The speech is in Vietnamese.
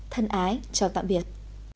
thân ái chào tạm biệt